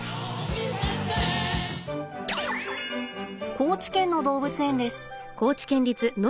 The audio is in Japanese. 高知県の動物園です。